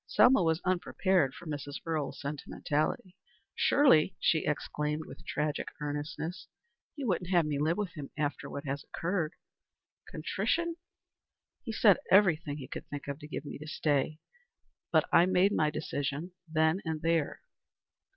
Selma was unprepared for Mrs. Earle's sentimentality. "Surely," she exclaimed with tragic earnestness, "you wouldn't have me live with him after what occurred? Contrition? He said everything he could think of to get me to stay, but I made my decision then and there."